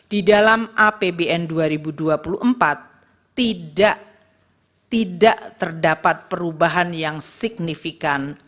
di dalam apbn dua ribu dua puluh empat tidak terdapat perubahan yang signifikan